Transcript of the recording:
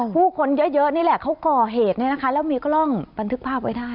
ผู้คนเยอะนี่แหละเขาก่อเหตุเนี่ยนะคะแล้วมีกล้องบันทึกภาพไว้ได้